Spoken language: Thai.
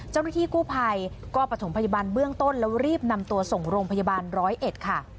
เจ้าหน้าที่กู้ภัยก็ประถมพยาบาลเบื้องต้นแล้วรีบนำตัวส่งโรงพยาบาลร้อยเอ็ดค่ะ